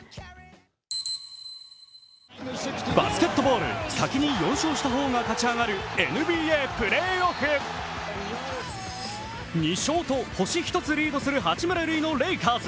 バスケットボール、先に４勝した方が勝ち上がるＮＢＡプレーオフ。２勝と星１つリードする八村塁のレーカーズ。